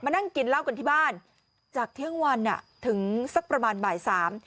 นั่งกินเหล้ากันที่บ้านจากเที่ยงวันอ่ะถึงสักประมาณบ่ายสาม